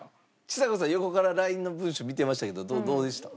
ちさ子さん横からＬＩＮＥの文章見てましたけどどうでした？